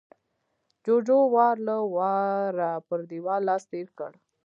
جُوجُو وار له واره پر دېوال لاس تېر کړ